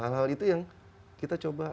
hal hal itu yang kita coba